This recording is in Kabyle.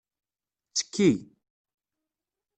Ttekki!